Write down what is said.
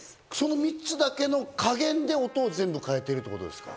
その３つだけの加減で音を全部変えてるってことですか？